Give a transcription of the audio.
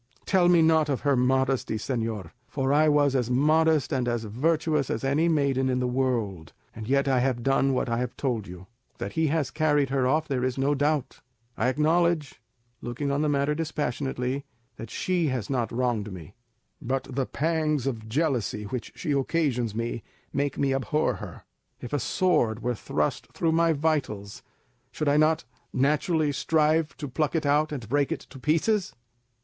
"Tell me not of her modesty, señor; for I was as modest and as virtuous as any maiden in the world, and yet I have done what I have told you. That he has carried her off there is no doubt. I acknowledge, looking on the matter dispassionately, that she has not wronged me; but the pangs of jealousy which she occasions me make me abhor her. If a sword were thrust through my vitals, should I not naturally strive to pluck it out and break it to pieces?"